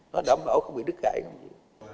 nó đảm bảo không bị đứt gãi làm gì